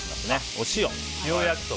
お塩。